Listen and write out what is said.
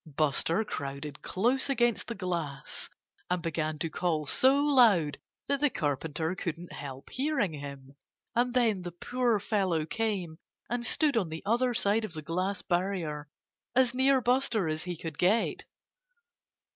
Buster crowded close against the glass and began to call so loud that the Carpenter couldn't help hearing him. And then the poor fellow came and stood on the other side of the glass barrier, as near Buster as he could get.